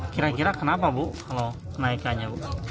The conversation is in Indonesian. kira kira kenapa bu kalau kenaikannya